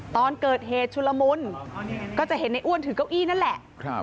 ตอนเกิดเหตุชุลมุนก็จะเห็นในอ้วนถือเก้าอี้นั่นแหละ